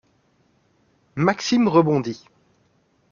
Maxime rebondit.